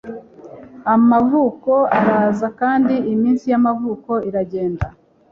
amavuko araza kandi iminsi y'amavuko iragenda